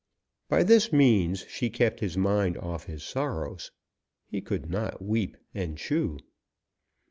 By this means she kept his mind off his sorrows. He could not weep and chew.